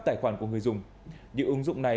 tài khoản của người dùng những ứng dụng này